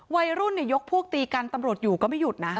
วัยรุ่นยกพวกตีกันตำรวจอยู่ก็ไม่หยุดนะ